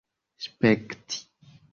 spekti